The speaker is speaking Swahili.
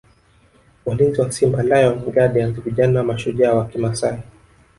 Walinzi wa Simba Lion Guardians vijana mashujaa wa Kimasai